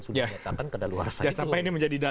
sudah dikatakan ke daluhan saya